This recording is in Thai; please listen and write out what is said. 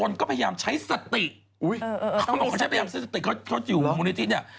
อุ๊ยเขาใช้สติเขาอยู่บนมูลนิธินี่